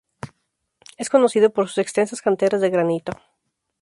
Es conocido por su extensas canteras de granito.